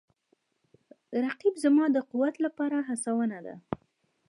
رقیب زما د قوت لپاره هڅونه ده